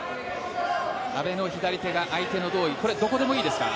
阿部の左手が相手の道着これ、どこでもいいですか？